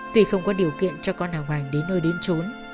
tuy không có điều kiện cho con học hoành đến nơi đến trốn